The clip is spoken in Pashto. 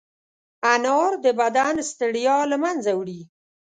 انار د بدن ستړیا له منځه وړي.